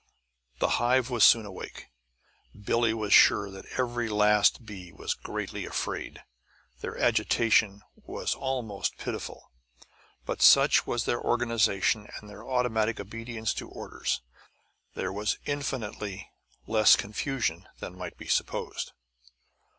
The hive was soon awake. Billie was sure that every last bee was greatly afraid; their agitation was almost pitiful. But such was their organization and their automatic obedience to orders, there was infinitely less confusion than might be supposed.